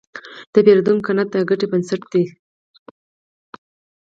د پیرودونکي قناعت د ګټې بنسټ دی.